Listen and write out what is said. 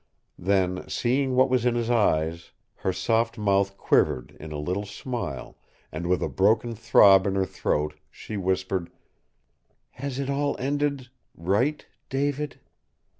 Then, seeing what was in his eyes, her soft mouth quivered in a little smile, and with a broken throb in her throat she whispered, "Has it all ended right David?"